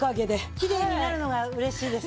きれいになるのが嬉しいです。